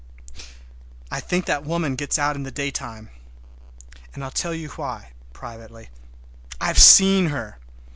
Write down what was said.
I think that woman gets out in the daytime! And I'll tell you why—privately—I've seen her!